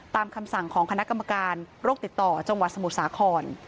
คำสั่งของคณะกรรมการโรคติดต่อจังหวัดสมุทรสาคร